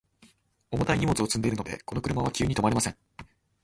重たい荷物を積んでいるので、この車は急に止まれません。